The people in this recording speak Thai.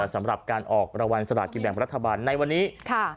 สำหรับการออกรางวัลสลากินแบ่งรัฐบาลในวันนี้ค่ะ